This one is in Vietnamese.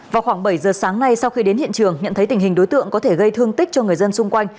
vào khoảng bảy giờ sáng nay sau khi đến hiện trường nhận thấy tình hình đối tượng có thể gây thương tích cho người dân xung quanh